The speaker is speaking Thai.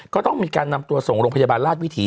ก็ต้องมีการนำตัวส่งโรงพยาบาลราชวิถี